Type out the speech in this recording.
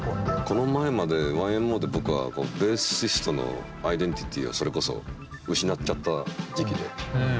この前までＹＭＯで僕はベーシストのアイデンティティーをそれこそ失っちゃった時期で。